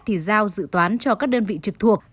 thì giao dự toán cho các đơn vị trực thuộc